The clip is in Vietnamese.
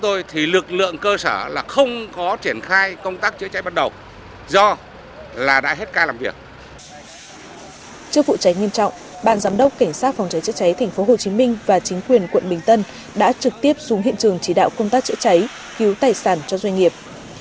trước vụ cháy nghiêm trọng ban giám đốc cảnh sát phòng cháy chữa cháy tp hcm và chính quyền quận bình tân đã trực tiếp xuống hiện trường chỉ đạo công tác chữa cháy cứu tài sản cho doanh nghiệp